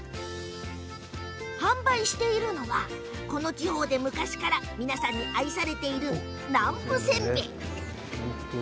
販売しているのはこの地方で昔から皆さんに愛されている南部せんべい。